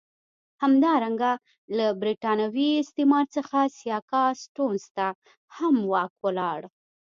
همدارنګه له برېتانوي استعمار څخه سیاکا سټیونز ته هم واک ولاړ.